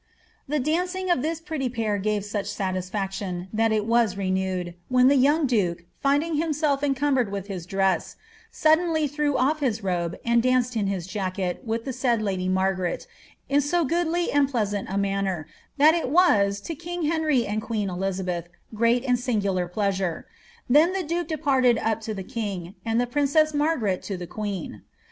^ The dancing of this pretty pair gave such satisfaction, that it WIS renewed, when the young duke, finding himself encumbered with his dress, ^ suddenly threw off his robe and danced in his jacket with the said lady Margaret, in so goodly and pleasant a manner, that it was 10 king Henry and queen Elizabeth great and singular pleasure. Th<in the duke departed up to the king, and the princess Margaret to the queen.